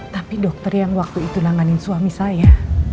tapi dokter yang waktu itu nanganin suami saya